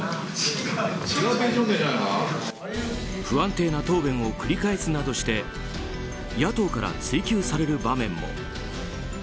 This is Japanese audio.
不安定な答弁を繰り返すなどして野党から追及される場面も。